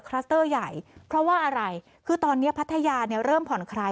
เตอร์ใหญ่เพราะว่าอะไรคือตอนนี้พัทยาเนี่ยเริ่มผ่อนคลาย